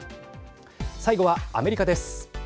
最後は、アメリカです。